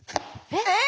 えっ！